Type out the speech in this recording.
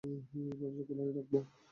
দরজা খোলাই রাখবো?